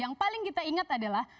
yang paling kita ingat adalah